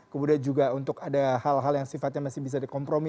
kemudian juga untuk ada hal hal yang sifatnya masih bisa dikompromi